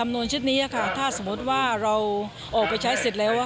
แต่เช่าบ้านส่วนใหญ่